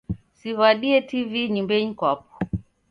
Siw'adie TV nyumbenyi mkwapo.